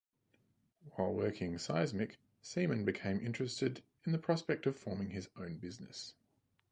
While working seismic, Seaman became interested in the prospect of forming his own business.